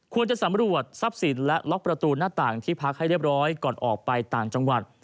ควรจะสำรวจทรัพย์สินและล็อกประตูหน้าต่างที่พักให้เรียบร้อยก่อนออกไปต่างจังหวัด